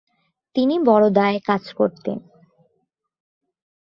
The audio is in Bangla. তিনি বরোদায় কাজ করতেন।